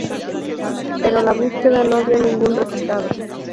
Pero la búsqueda no dio ningún resultado.